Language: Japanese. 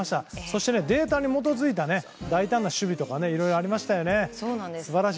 そしてデータに基づいた大胆な守備とかいろいろありましたよね。